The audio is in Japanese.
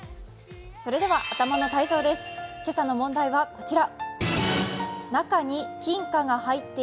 それでは頭の体操です、今朝の問題はこちら。